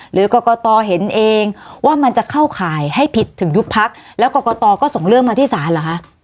หรือกรกตเห็นเองว่ามันจะเข้าข่ายให้ผิดถึงยุบพักแล้วกรกตก็ส่งเรื่องมาที่ศาลเหรอคะ